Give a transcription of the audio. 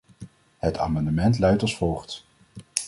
Het amendement luidt als volgt.